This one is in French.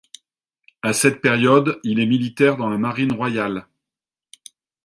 À cette période il est militaire dans la Marine royale.